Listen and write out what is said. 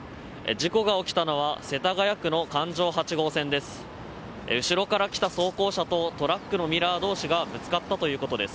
事故が起きたのは世田谷区の環状８号線です。